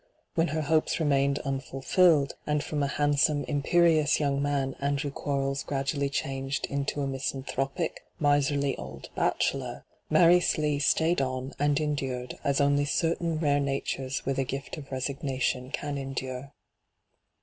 When her hopes remained uniulfiUed, and from a handsome, imperious young man Andrew Quarks gradu ally changed into a misanthropic, miserly old bachelor, Mary Slee stayed on and endured as only certain rare natures with a gift of resignation can endure.